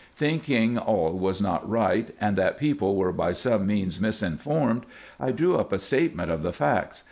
Thinking all was not right, and that people were by some means misinformed, I drew up a statement of the facts.